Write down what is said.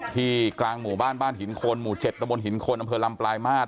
กลางหมู่บ้านบ้านหินคนหมู่๗ตะบนหินคนอำเภอลำปลายมาตร